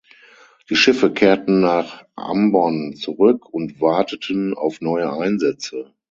Die Schiffe kehrten nach Ambon zurück und warteten auf neue Einsätze.